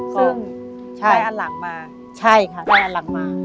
ซึ่งใช้อันหลังมาใช่ค่ะใช้อันหลังมา